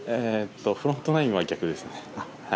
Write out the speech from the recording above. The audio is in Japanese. フロントナインは逆ですね。